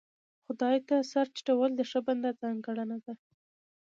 خدای ته سر ټيټول د ښه بنده ځانګړنه ده.